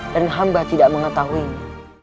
dan hamba tidak mengetahuinya